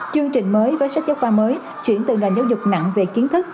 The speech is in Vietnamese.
chương trình mới với sách giáo khoa mới chuyển từ ngành giáo dục nặng về kiến thức